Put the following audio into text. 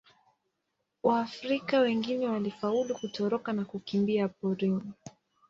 Waafrika wengine walifaulu kutoroka na kukimbia porini.